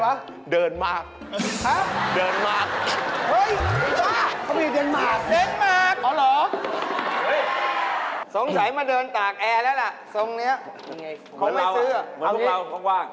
เหมือนเราครับเขาว่า